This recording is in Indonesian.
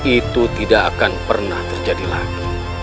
itu tidak akan pernah terjadi lagi